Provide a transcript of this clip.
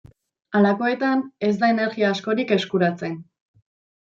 Halakoetan ez da energia askorik eskuratzen.